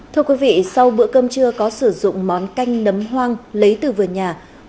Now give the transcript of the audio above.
thưa quý vị sau bữa cơm chưa có sử dụng món canh nấm hoang lấy từ vườn nhà